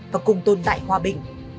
và cùng tôn tại hòa bình